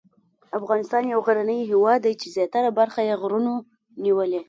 افغانستان یو غرنی هېواد دی چې زیاته برخه یې غرونو نیولې.